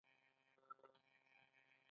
موږ دا کار وکړ